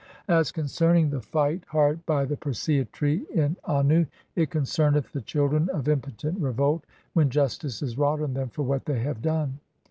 As concerning the fight (?) hard by the Persea tree in Annu, it concerneth the children of impotent revolt when (22) justice is wrought on them for what they have done.